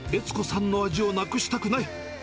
悦子さんの味をなくしたくない。